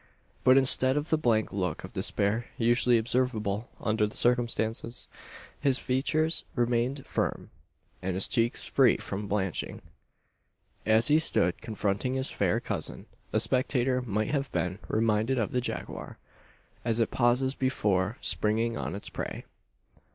But instead of the blank look of despair usually observable under the circumstances, his features remained firm, and his cheeks free from blanching. As he stood confronting his fair cousin, a spectator might have been reminded of the jaguar, as it pauses before springing on its prey.